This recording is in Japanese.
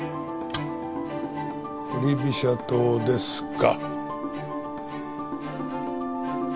振り飛車党ですか。